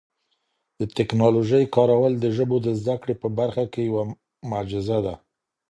د ټکنالوژۍ کارول د ژبو د زده کړې په برخه کي یو معجزه ده.